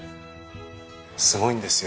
すごいんですよ